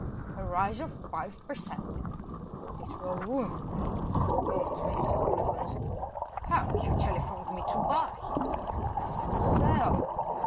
"A rise of five per cent." "It will ruin me," groaned Oliphant. "How? you telephoned me to buy." "I said 'sell.'"